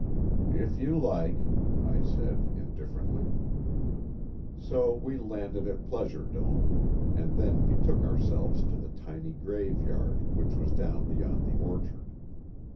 "If you like," I said, indifferently. So we landed at Pleasure Dome, and then betook ourselves to the tiny graveyard, which was down beyond the orchard.